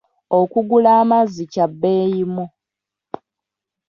Okugula amazzi kya bbeeyimu.